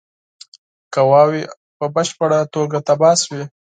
قواوي په بشپړه توګه تباه شوې.